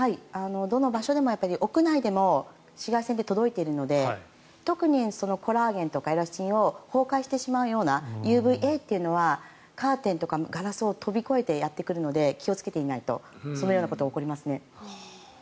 どの場所でも、屋内でも紫外線って届いているので特にコラーゲンとかエラスチンを崩壊してしまうようなＵＶＡというのはカーテンとかガラスを飛び越えてやってくるので気をつけていないとそのようなことが起こりますね。